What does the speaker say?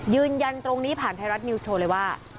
ยืนยันตรงนี้ผ่านไทยรัฐนิวส์โชว์เลยว่า